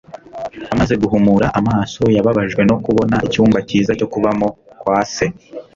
Amaze guhumura amaso, yababajwe no kubona icyumba cyiza cyo kubamo kwa se.